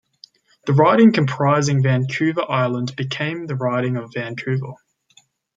The riding comprising Vancouver Island became the riding of Vancouver.